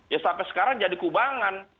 ya sampai sekarang jadi kubangan